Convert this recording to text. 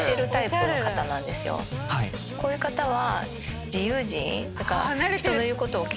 こういう方は。